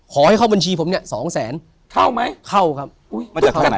ขอให้เข้าบัญชีผมเนี้ยสองแสนเข้าไหมเข้าครับอุ้ยมาจากทางไหน